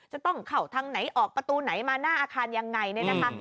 จะต้องเข้าทางไหนออกประตูไหนมาหน้าอาคารยังไงเนี่ยนะคะ